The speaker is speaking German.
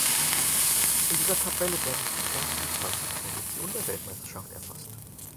In dieser Tabelle werden die ersten zwanzig Positionen der Weltmeisterschaft erfasst.